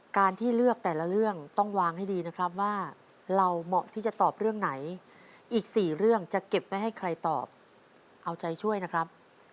การที่เลือกแต่ละเรื่องต้องวางให้ดีนะครับว่าเราเหมาะที่จะตอบเรื่องไหนอีก๔เรื่องจะเก็บไว้ให้ใครตอบเอาใจช่วยนะครับ